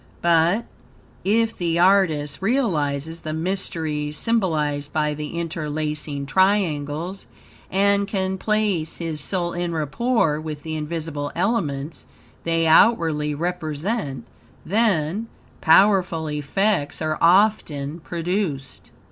But, if the artist realizes the mysteries symbolized by the interlacing triangles, and can place his soul en rapport with the invisible elements they outwardly represent; then, powerful effects are often produced.